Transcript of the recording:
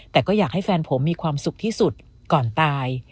แต่ก็อยากให้แฟนผมมีความสุขที่สุดก่อนตาย